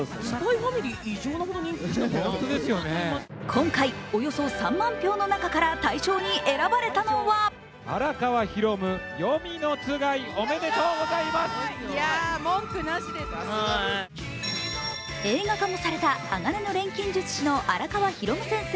今回、およそ３万票の中から大賞に選ばれたのは映画化もされた「鋼の錬金術師」の荒川弘先生